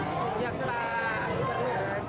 sejak tahun ini